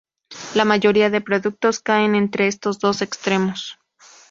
La mayoría de productos caen entre estos dos extremos.